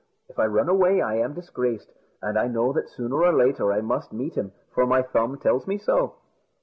If I run away, I am disgraced; and I know that sooner or later I must meet him, for my thumb tells me so."